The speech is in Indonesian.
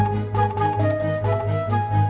sekarang yang pegang termitik